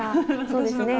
そうですね。